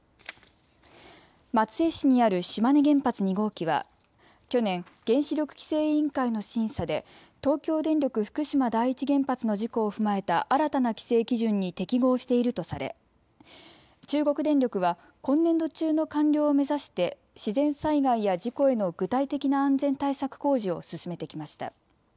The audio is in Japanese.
松江市にある島根原発２号機は去年、原子力規制委員会の審査で東京電力福島第一原発の事故を踏まえた新たな規制基準に適合しているとされ、中国電力は今年度中の完了を目指して自然災害や事故への具体的な安全対策工事を進めてきました。